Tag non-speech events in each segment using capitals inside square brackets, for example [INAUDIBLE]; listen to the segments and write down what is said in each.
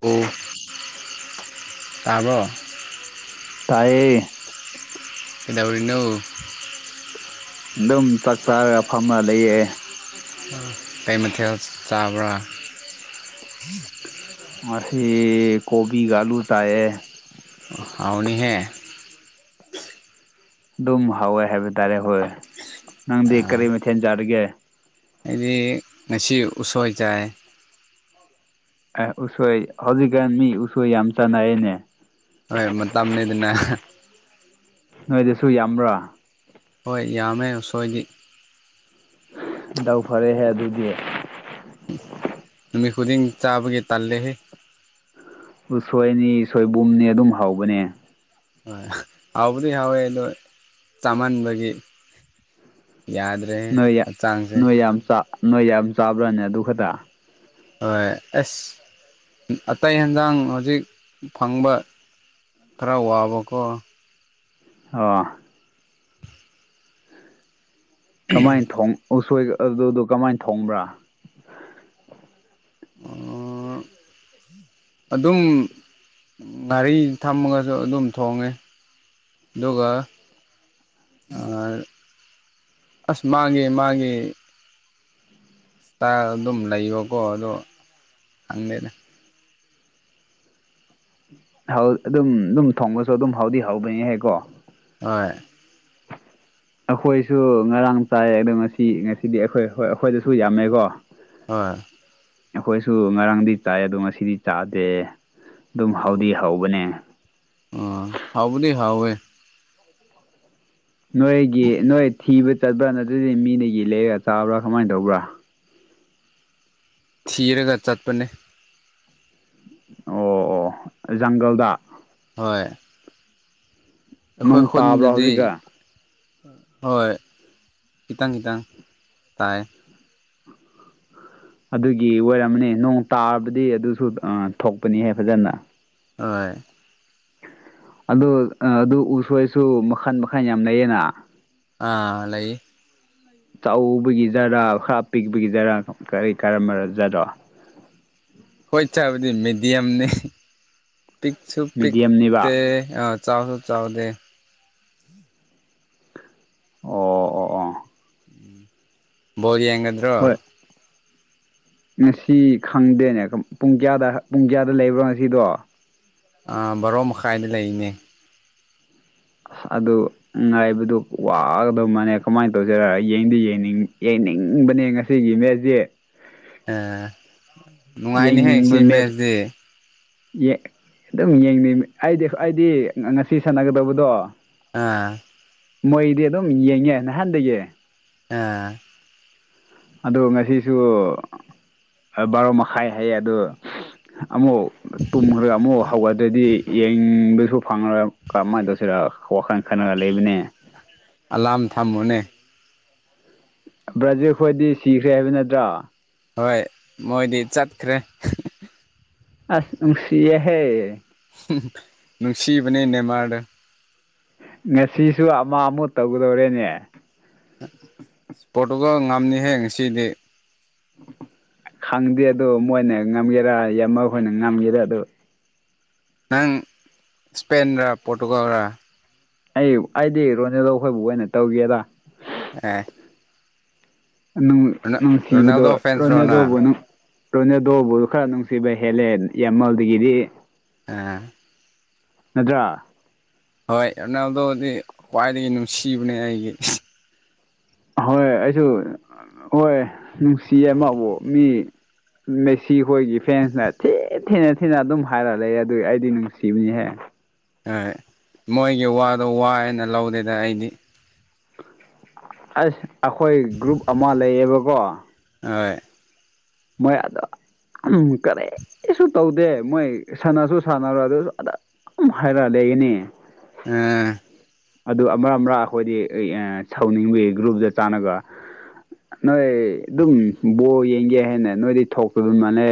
Hello ꯇꯥꯕꯣ ꯇꯥꯏꯌꯦ ꯀꯩꯗꯧꯔꯤꯅꯣ ꯑꯗꯨꯝ ꯆꯥꯛ ꯆꯥꯔꯒ ꯐꯝꯔ ꯂꯩꯌꯦ ꯀꯩ ꯃꯊꯦꯜ ꯆꯥꯕ꯭ꯔꯥ ꯃꯁꯤ ꯀꯣꯕꯤꯒ ꯑꯂꯨ ꯆꯥꯏꯌꯦ ꯍꯥꯎꯔꯅꯤꯍꯦ ꯑꯗꯨꯝ ꯍꯥꯎꯋꯦ ꯍꯥꯏꯕ ꯇꯥꯔꯦ ꯍꯣꯏ ꯅꯪꯗꯤ ꯀꯔꯤ ꯃꯊꯦꯜ ꯆꯥꯔꯤꯒꯦ ꯑꯩꯗꯤ ꯉꯁꯤ ꯎꯁꯣꯏ ꯆꯥꯏ ꯑꯦ ꯎꯁꯣꯏ ꯍꯧꯖꯤꯛꯀꯥꯟ ꯃꯤ ꯎꯁꯣꯏ ꯌꯥꯝ ꯆꯥꯟꯅꯔꯦꯅꯦ ꯍꯣꯏ ꯃꯇꯝꯅꯤ ꯑꯗꯨꯅ ꯅꯣꯏꯗꯨꯁꯨ ꯌꯥꯝꯕ꯭ꯔꯥ ꯍꯣꯏ ꯌꯥꯝꯃꯦ ꯎꯁꯣꯏꯗꯤ ꯗꯥꯎ ꯐꯔꯦꯍꯦ ꯑꯗꯨꯗꯤ ꯅꯨꯃꯤꯠ ꯈꯨꯗꯤꯡ ꯆꯥꯕꯒꯤ ꯇꯜꯂꯦꯍꯦ ꯎꯁꯣꯏꯅꯤ ꯁꯣꯏꯕꯨꯝꯅꯤ ꯑꯗꯨꯝ ꯍꯧꯕꯅꯦ ꯍꯣꯏ ꯍꯥꯎꯕꯗꯤ ꯍꯥꯎꯋꯦ ꯑꯗꯣ ꯆꯥꯃꯟꯕꯒꯤ ꯌꯥꯗ꯭ꯔꯦ ꯅꯣꯏ ꯌꯥ ꯍꯛꯆꯥꯡꯁꯦ ꯅꯣꯏ ꯌꯥꯝ ꯆꯥ ꯅꯣꯏ ꯌꯥꯝ ꯆꯥꯕ꯭ꯔꯥꯅꯦ ꯑꯗꯨ ꯈꯛꯇ ꯍꯣꯏ ꯑꯁ ꯑꯇꯩ ꯑꯦꯟꯖꯥꯡ ꯍꯧꯖꯤꯛ ꯐꯪꯕ ꯈꯔ ꯋꯥꯕꯀꯣ ꯑꯣ ꯀꯃꯥꯏ ꯊꯣꯡ ꯎꯁꯣꯏꯒ ꯑ ꯑꯗꯨꯗꯣ ꯀꯃꯥꯏ ꯊꯣꯡꯕ꯭ꯔꯥ ꯎꯝ [INAUDIBLE] ꯑꯣ ꯑꯣ ꯑꯗꯨꯝ ꯉꯥꯔꯤ ꯊꯝꯃꯒꯖꯨ ꯑꯗꯨꯝ ꯊꯣꯡꯉꯦ ꯑꯗꯨꯒ ꯑ ꯑꯁ ꯃꯥꯒꯤ ꯃꯥꯒꯤ ꯇꯥꯏꯜ ꯑꯗꯨꯝ ꯂꯩꯕꯀꯣ ꯑꯗꯣ ꯈꯪꯗꯦꯗ ꯊ꯭ꯋꯥꯜ ꯑꯗꯨꯝ ꯑꯗꯨꯝ ꯊꯣꯡꯕꯁꯨ ꯑꯗꯨꯝ ꯍꯥꯎꯗꯤ ꯍꯧꯕꯅꯤꯍꯦ ꯀꯣ ꯍꯣꯏ ꯑꯈꯣꯏꯁꯨ ꯉꯔꯥꯡ ꯆꯥꯏ ꯑꯗꯣ ꯉꯁꯤ ꯉꯁꯤꯗꯤ ꯑꯈꯣꯏ ꯑꯈꯣꯏ ꯑꯈꯣꯏꯗꯁꯨ ꯌꯥꯝꯃꯦꯀꯣ ꯍꯣꯏ ꯑꯩꯈꯣꯏꯁꯨ ꯉꯔꯥꯡꯗꯤ ꯆꯥꯏ ꯑꯗꯣ ꯉꯁꯤꯗꯤ ꯆꯥꯗꯦ ꯑꯗꯨꯝ ꯍꯥꯎꯗꯤ ꯍꯥꯎꯕꯅꯦ ꯑꯥ ꯍꯥꯎꯕꯗꯤ ꯍꯥꯎꯋꯦ ꯅꯣꯏꯒꯤ ꯅꯣꯏ ꯊꯤꯕ ꯆꯠꯄ꯭ꯔꯥ ꯅꯠꯇ꯭ꯔꯗꯤ ꯃꯤꯅ ꯌꯦꯂꯩꯌꯦꯒ ꯆꯥꯕ꯭ꯔꯥ ꯀꯃꯥꯏ ꯇꯧꯕ꯭ꯔꯥ ꯊꯤꯔꯒ ꯆꯠꯄꯅꯦ ꯑꯣ ꯑꯣ ꯑꯣ ꯑꯣ ꯑꯦꯟꯖꯥꯡꯗꯣꯜꯗ ꯍꯣꯏ ꯑꯩꯈꯣꯏ ꯅꯣꯡ ꯇꯥꯕ꯭ꯔꯥ ꯈꯨꯟꯗꯗꯤ ꯍꯧꯖꯤꯛꯀ ꯍꯣꯏ ꯈꯤꯇꯪ ꯆꯡ ꯇꯥꯏꯌꯦ ꯑꯗꯨꯒꯤ ꯑꯣꯏꯔꯝꯃꯅꯤ ꯅꯣꯡ ꯇꯥꯕꯗꯤ ꯑꯗꯨꯁꯨ ꯑ ꯊꯣꯛꯄꯅꯤꯍꯦ ꯐꯖꯅ ꯍꯣꯏ ꯑꯗꯨ ꯑ ꯑꯗꯨ ꯎꯁꯣꯏꯁꯨ ꯃꯈꯟ ꯃꯈꯟ ꯌꯥꯝ ꯂꯩꯌꯦꯅ ꯑ ꯂꯩꯌꯦ ꯆꯧꯕꯒꯤ ꯖꯥꯔꯥ ꯈꯔ ꯄꯤꯛꯄꯒꯤ ꯖꯥꯔꯥ ꯀꯔꯤ ꯀꯔꯝꯕ ꯖꯥꯔꯣ ꯍꯣꯏ ꯆꯥꯕꯗꯤ ꯃꯦꯗꯤꯌꯝꯅꯦ ꯄꯤꯛꯁꯨ ꯄꯤꯛꯇꯦ ꯃꯤꯗꯤꯌꯝꯅꯤꯕ ꯑ ꯆꯥꯎꯖꯨ ꯆꯥꯎꯗꯦ ꯑꯣ ꯑꯣ ꯑꯣꯥ ꯕꯣꯜ ꯌꯦꯡꯒꯗ꯭ꯔꯣ ꯍꯣꯏ ꯉꯁꯤ ꯈꯪꯗꯦꯅꯦ ꯄꯨꯡ ꯀꯌꯥꯗ ꯄꯨꯡ ꯀꯌꯥꯗ ꯂꯩꯕ꯭ꯔꯣ ꯉꯁꯤꯗꯣ ꯑꯥ ꯕꯥꯔꯣ ꯃꯈꯥꯏꯗ ꯂꯩꯕꯅꯦ ꯑꯗꯨ ꯉꯥꯏꯕꯗꯨ ꯋꯥꯒꯗꯧ ꯃꯥꯟꯅꯦ ꯀꯃꯥꯏꯟ ꯇꯧꯖꯦꯔ ꯑꯩ ꯌꯦꯡꯗꯤ ꯌꯦꯡꯅꯤꯡ ꯌꯦꯡꯅꯤꯡꯕꯅꯦ ꯉ ꯁꯤꯒꯤ ꯃꯦꯖꯤꯛ꯫ ꯑ ꯅꯨꯡꯉꯥꯏꯅꯤꯍꯦ ꯁꯤ ꯃꯦꯖꯤ꯫ ꯌꯦ ꯑꯗꯨꯝ ꯌꯦꯡꯅꯤꯡ ꯍꯥꯢꯗꯤ ꯑꯩꯗꯤ ꯉꯁꯤ ꯁꯥꯟꯅꯒꯗꯧꯕꯗꯣ ꯑꯥ꯫ ꯃꯣꯏꯗꯤ ꯑꯗꯨꯝ ꯌꯦꯡꯉꯦ ꯅꯍꯥꯟꯗꯒꯤ ꯑ ꯑꯗꯣ ꯉꯁꯤꯁꯨ ꯕꯥꯔꯣ ꯃꯈꯥꯏ ꯍꯌꯦ ꯑꯗꯨ ꯑꯃꯨꯛ ꯇꯨꯝꯒ꯭ꯔ ꯑꯃꯨꯛ ꯍꯧꯒꯠꯗ꯭ꯔꯗꯤ ꯌꯦꯡꯕꯁꯨ ꯐꯪꯉꯔ ꯀꯝꯃꯥꯏꯟ ꯇꯧꯁꯤꯔ ꯋꯥꯈꯜ ꯈꯟꯅꯔ ꯂꯩꯕꯅꯦ ꯑꯂꯥꯝ ꯊꯝꯃꯣꯅꯦ ꯕ꯭ꯔꯥꯖꯤꯜ ꯈꯣꯏꯗꯤ ꯁꯤꯈ꯭ꯔꯦ ꯍꯥꯏꯕ ꯅꯠꯇ꯭ꯔꯥ ꯍꯣꯏ ꯃꯣꯏꯗꯤ ꯆꯠꯈ꯭ꯔꯦ ꯑꯁ ꯅꯨꯡꯁꯤꯌꯦꯍꯦ ꯍꯨꯝ ꯅꯨꯡꯁꯤꯕꯅꯦ ꯅꯦꯃꯥꯔꯗꯣ ꯉꯁꯤꯁꯨ ꯑꯃ ꯑꯃꯨꯛ ꯇꯧꯒꯗꯧꯔꯦꯅꯦ ꯄꯣꯠꯇꯨꯒꯜ ꯉꯝꯅꯤꯍꯦ ꯉꯁꯤꯗꯤ ꯈꯪꯗꯦ ꯑꯗꯨ ꯃꯣꯏꯅ ꯉꯝꯒꯦꯔꯥ ꯌꯥꯝꯃ ꯈꯣꯏꯅ ꯉꯝꯒꯦꯔꯥ ꯑꯗꯨ ꯅꯪ ꯏꯁꯄꯦꯟ ꯔ ꯄꯣꯔꯇꯨꯒꯜ ꯔꯥ ꯑꯩ ꯑꯩꯗꯤ ꯔꯣꯅꯦꯜꯂꯣ ꯈꯣꯏꯕꯨ ꯑꯣꯏꯅ ꯇꯧꯒꯦꯗ ꯑ ꯅꯨꯡ ꯅꯨꯡꯁꯤꯕꯗꯣ ꯔꯣꯅꯥꯜꯗꯣ ꯐꯦꯟꯁꯔꯣ ꯔꯣꯅꯦꯜꯗꯣꯕꯨ ꯅꯪ ꯅꯨꯡ ꯔꯣꯏꯅꯦꯜꯗꯣꯕꯨ ꯈꯔ ꯅꯨꯡꯁꯤꯕ ꯍꯦꯜꯂꯦ ꯌꯥꯝꯃꯜꯗꯒꯤꯗꯤ ꯑꯥ ꯅꯠꯇ꯭ꯔ ꯍꯣꯏ ꯔꯣꯅꯥꯜꯗꯣꯗꯤ ꯈ꯭ꯋꯥꯏꯗꯒꯤ ꯅꯨꯡꯁꯤꯕꯅꯦ ꯑꯩꯒꯤ ꯍꯣꯏ ꯑꯩꯁꯨ ꯍꯣꯏ ꯅꯨꯡꯁꯤꯑꯦ ꯃꯕꯨ ꯃꯤ ꯃꯦꯁꯤꯈꯣꯏꯒꯤ ꯐꯦꯟꯁꯅ ꯊꯤ ꯊꯤꯅ ꯊꯤꯅ ꯑꯗꯨꯝ ꯍꯥꯏꯔ ꯂꯩ ꯑꯗꯨ ꯑꯩꯗꯤ ꯅꯨꯡꯁꯤꯕꯅꯤꯍꯦ [UNINTELLIGIBLE] ꯃꯣꯏꯒꯤ ꯋꯥꯗꯣ ꯋꯥꯑꯦꯅ ꯂꯧꯗꯦꯗ ꯑꯩꯗꯤ ꯑꯁ ꯑꯈꯣꯏ ꯒ꯭ꯔꯨꯞ ꯑꯃ ꯂꯩꯌꯦꯕꯀꯣ ꯍꯣꯏ ꯃꯣꯢ ꯑꯗ ꯎꯝ ꯀꯔꯤꯁꯨ ꯇꯧꯗꯦ ꯃꯣꯏ ꯁꯥꯟꯅꯁꯨ ꯁꯥꯟꯅꯔꯣꯏ ꯑꯗꯨꯁꯨ ꯑꯗ ꯎꯝ ꯍꯥꯏꯔꯛꯑ ꯂꯩꯒꯅꯤ ꯑꯥ ꯑꯗꯨ ꯑꯃꯥꯔ ꯑꯃꯥꯔ ꯑꯈꯣꯏꯗꯤ [UNINTELLIGIBLE] ꯁꯥꯎꯅꯤꯡꯕꯩ ꯒ꯭ꯔꯨꯞꯇ ꯆꯥꯟꯅꯒ ꯅꯣꯏ ꯑꯗꯨꯝ ꯕꯣꯜ ꯌꯦꯡꯒꯦ ꯍꯥꯏꯅ ꯅꯣꯏꯗꯤ ꯊꯣꯛꯄꯤꯕ ꯃꯥꯟꯅꯦ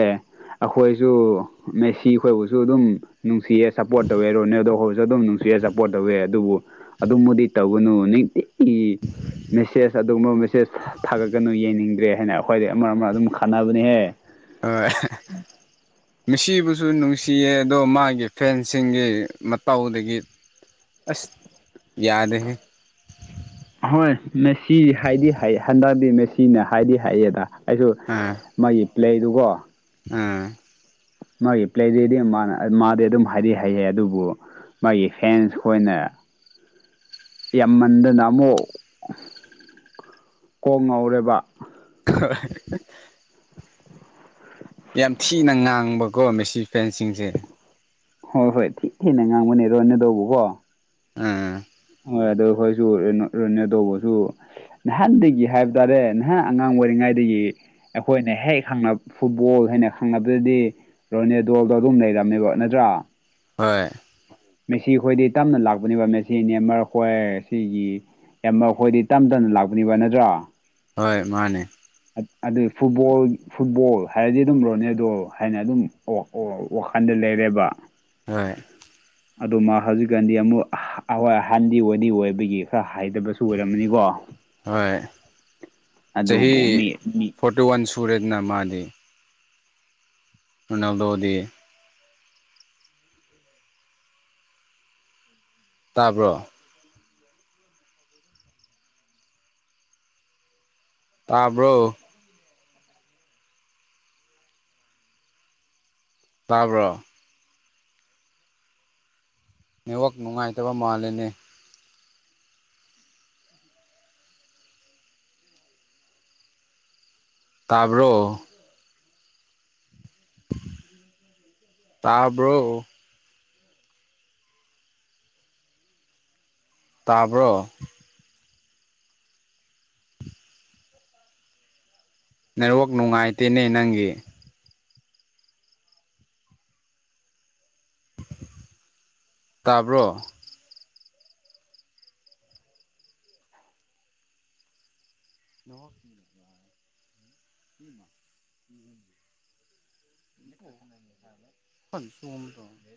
ꯑꯈꯣꯏꯁꯨ ꯃꯦꯁꯤ ꯈꯣꯏꯕꯨꯁꯨ ꯑꯗꯨꯝ ꯅꯨꯡꯁꯤꯌꯦ ꯁꯄꯣꯔꯠ ꯇꯧꯋꯦ ꯔꯣꯅꯦꯜꯗꯣ ꯍꯣꯏꯁꯨ ꯑꯗꯨꯝ ꯅꯨꯡꯁꯤꯌꯦ ꯁꯞꯄꯣꯔꯠ ꯇꯧꯋꯦ ꯑꯗꯨꯕꯨ ꯑꯗꯨꯝꯕꯨꯗꯤ ꯇꯧꯒꯅꯨ ꯅꯤꯡꯇꯤꯒꯤ ꯃꯦꯁꯦꯖ ꯑꯗꯨꯒꯨꯝꯕ ꯆꯦꯁ ꯊꯥꯒꯠꯀꯅꯨ ꯌꯦꯡꯅꯤꯡꯗ꯭ꯔꯦ ꯍꯥꯏꯅ ꯑꯈꯣꯏꯗꯤ ꯑꯃ ꯑꯃ ꯑꯗꯨꯝ ꯈꯟꯅꯕꯅꯦꯍꯦ ꯑꯣꯢ ꯑꯍꯥ ꯃꯦꯁꯤꯕꯨꯁꯨ ꯅꯨꯡꯁꯤꯌꯦ ꯑꯗꯣ ꯃꯥꯒꯤ ꯐꯦꯟꯁꯤꯡꯒꯤ ꯃꯇꯧꯗꯒꯤ ꯑꯁ ꯌꯥꯗꯦꯍꯦ ꯍꯣꯏ ꯃꯦꯁꯤ ꯍꯥꯏꯗꯤ ꯍꯩ ꯍꯟꯗꯛꯇꯤ ꯃꯦꯁꯤꯅ ꯍꯥꯏꯗꯤ ꯍꯥꯏꯌꯦꯗ ꯑꯩꯁꯨ ꯑꯥ [UNINTELLIGIBLE] ꯃꯥꯒꯤ ꯄ꯭ꯂꯦꯗꯨꯒꯣ ꯑꯝ ꯃꯥꯒꯤ ꯄ꯭ꯂꯦꯗꯦꯗꯤ ꯃꯥꯅ ꯃꯥꯗꯤ ꯑꯗꯨꯝ ꯍꯥꯏꯗꯤ ꯍꯩꯌꯦ ꯑꯗꯨꯕꯨ ꯃꯥꯒꯤ ꯐꯦꯟꯁ ꯈꯣꯏꯅ ꯌꯥꯝꯃꯟꯗꯅ ꯑꯃꯨꯛ ꯀꯣꯛ ꯉꯧꯔꯦꯕ ꯍ [INAUDIBLE] ꯌꯥꯝ ꯊꯤꯅ ꯉꯥꯡꯕꯀꯣ ꯃꯦꯁꯤ ꯐꯦꯟꯁꯤꯡꯁꯦ ꯍꯣꯏ ꯍꯣꯏ ꯊꯤ ꯊꯤꯅ ꯉꯥꯡꯕꯅꯦꯔꯣꯅꯦ ꯇꯧꯕꯀꯣ ꯑꯥ ꯍꯣꯏ ꯑꯗꯨ ꯑꯩꯈꯣꯏꯁꯨ ꯔꯅꯤꯌꯣ ꯇꯧꯕꯁꯨ ꯅꯍꯥꯟꯗꯒꯤ ꯍꯥꯏꯕ ꯇꯥꯔꯦ ꯅꯍꯥꯟ ꯑꯉꯥꯡ ꯑꯣꯏꯔꯤꯉꯩꯗꯒꯤ ꯑꯩꯈꯣꯏꯅ ꯍꯦꯛ ꯈꯪ ꯐꯨꯠꯕꯣꯜ ꯍꯥꯏꯅ ꯈꯪꯅꯕꯗꯗꯤ ꯔꯣꯅꯦꯗꯣꯜꯗꯣ ꯑꯗꯨꯝ ꯂꯩꯔꯝꯃꯦꯕ ꯅꯠꯇ꯭ꯔꯥ ꯍꯣꯏ ꯃꯦꯆꯤ ꯈꯣꯏꯗꯤ ꯇꯞꯅ ꯂꯥꯛꯄꯅꯦꯕ ꯃꯦꯆꯤ ꯅꯦꯃꯔꯈꯣꯏ ꯁꯤꯒꯤ ꯑꯦꯝꯃ ꯑꯩꯈꯣꯏꯗꯤ ꯇꯞ ꯇꯅ ꯂꯥꯛꯄꯅꯤꯕ ꯅꯠꯇ꯭ꯔꯣ ꯍꯣꯏ ꯃꯥꯅꯦ ꯑꯗꯨꯏ ꯐꯨꯠꯕꯣꯜ ꯐꯨꯠꯕꯣꯜ ꯍꯥꯏꯔꯗꯤ ꯑꯗꯨꯝ ꯔꯣꯅꯦꯗꯣ ꯍꯥꯏꯅ ꯑꯗꯨꯝ ꯑꯣ ꯑꯣ ꯋꯥꯈꯜꯗ ꯂꯩꯔꯦꯕ ꯍꯣꯏ ꯑꯗꯨ ꯃꯥ ꯍꯧꯖꯤꯛꯀꯥꯟꯗꯤ ꯑꯃꯨꯛꯋꯥꯍꯥꯟꯗꯤ ꯍꯗꯤ ꯑꯣꯏꯕꯒꯤ ꯈꯔ ꯍꯥꯏꯗꯕꯁꯨ ꯑꯣꯏꯔꯝꯃꯅꯤꯀꯣ ꯍꯣꯏ ꯆꯍꯤ ꯑꯗꯨꯕꯨ ꯃꯤ ꯃꯤ ꯐꯣꯔꯇꯤ ꯋꯥꯟ ꯁꯨꯔꯦꯗꯅ ꯃꯥꯗꯤ ꯇꯣꯅꯥꯜꯗꯣꯗꯤ ꯇꯥꯕ꯭ꯔꯣ ꯇꯥꯕ꯭ꯔꯣ ꯇꯥꯕ꯭ꯔꯣ ꯅꯦꯠꯋꯥꯛ ꯅꯨꯡꯉꯥꯏꯇꯕ ꯃꯥꯜꯂꯦꯅꯦ ꯇꯥꯕ꯭ꯔꯣ ꯇꯕ꯭ꯔꯣ ꯇꯥꯕ꯭ꯔꯣ ꯅꯦꯠꯋꯥꯛ ꯅꯨꯡꯉꯥꯏꯇꯦꯅꯦ ꯅꯪꯒꯤ ꯇꯥꯕ꯭ꯔꯣ ꯅ ꯐ ꯁꯨꯝꯗꯣ